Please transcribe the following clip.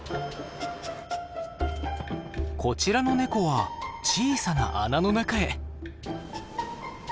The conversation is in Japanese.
こちらのネコは小さな穴の中へ。